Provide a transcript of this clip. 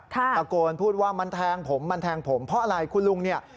ตะโกนพูดว่ามันแทงผมมันแทงผมเพราะอะไรคุณลุงเนี่ย